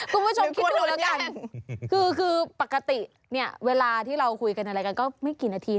คุณผู้ชมคิดดูแล้วกันปกติเวลาที่เราคุยกันก็ไม่กี่นาที